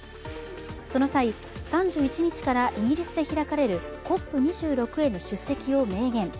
その際、３１日からイギリスで開かれるＣＯＰ２６への出席を明言。